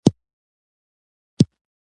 زه مجبور نه یم چې څنګه یې تاسو غواړئ.